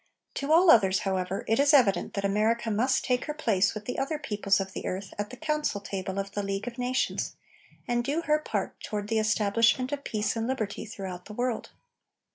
To all others, however, it is evident that America must take her place with the other peoples of the earth at the council table of the League of Nations, and do her part toward the establishment of peace and liberty throughout the world.